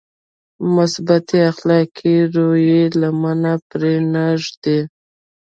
مثبتې اخلاقي رويې لمنه پرې نهږدي.